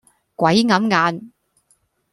鬼揞眼